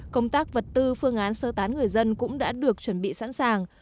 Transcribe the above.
công tác vật tư phương án sơ tán người dân cũng đã được chuẩn bị sẵn sàng